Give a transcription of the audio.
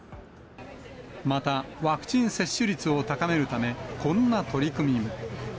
また、ワクチン接種率を高めるため、こんな取り組みも。